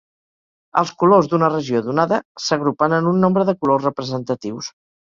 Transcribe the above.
Els colors d’una regió donada s’agrupen en un nombre de colors representatius.